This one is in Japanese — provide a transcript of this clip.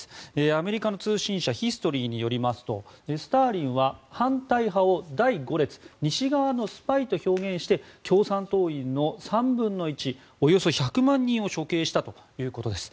アメリカの通信社ヒストリーによりますとスターリンは反対派を第五列西側のスパイと表現して共産党員の３分の１およそ１００万人を処刑したということです。